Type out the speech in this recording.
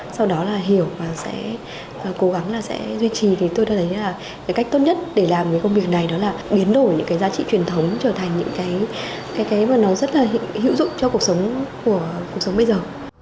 sau đó là hiểu và sẽ cố gắng là sẽ duy trì thì tôi đã thấy là cái cách tốt nhất để làm cái công việc này đó là biến đổi những cái giá trị truyền thống trở thành những cái mà nó rất là hữu dụng cho cuộc sống của cuộc sống bây giờ